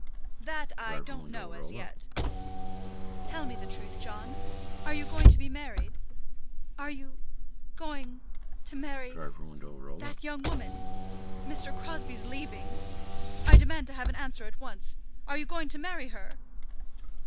"That I don't know as yet." "Tell me the truth, John; are you going to be married? Are you going to marry that young woman, Mr. Crosbie's leavings? I demand to have an answer at once. Are you going to marry her?"